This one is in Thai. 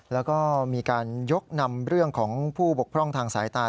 แล้วก็มีการยกนำเรื่องของผู้บกพร่องทางสายตา